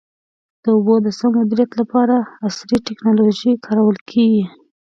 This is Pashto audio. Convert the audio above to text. د اوبو د سم مدیریت لپاره عصري ټکنالوژي کارول کېږي.